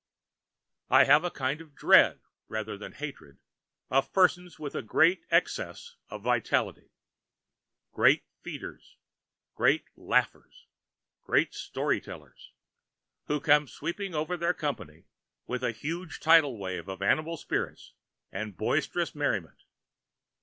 I have a kind of dread, rather than hatred, of persons with a large excess of vitality; great feeders, great[Pg 537] laughers, great story tellers, who come sweeping over their company with a huge tidal wave of animal spirits and boisterous merriment.